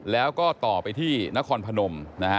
แล้วก็ต่อไปที่นครพนมนะฮะ